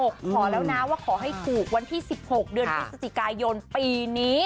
ขอแล้วนะว่าขอให้ถูกวันที่๑๖เดือนพฤศจิกายนปีนี้